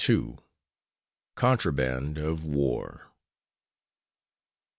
CONTRABAND OF WAR.